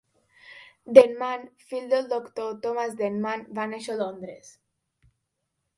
Denman, fill del doctor Thomas Denman, va néixer a Londres.